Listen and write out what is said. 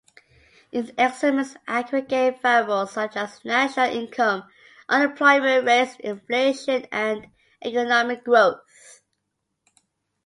It examines aggregate variables, such as national income, unemployment rates, inflation, and economic growth.